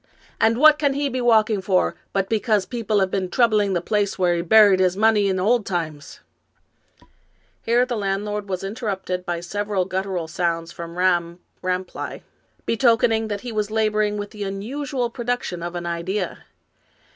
And what can he be walking for but because people have been troubling the place where he buried his money in old times ?" Here the landlord was interrupted by several guttural sounds from Ramm Rapelye, betokening that he was labor ing with the unusual production of an idea.